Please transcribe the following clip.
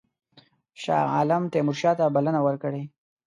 شاه عالم تیمورشاه ته بلنه ورکړې.